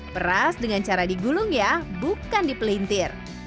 peras dengan cara digulung ya bukan dipelintir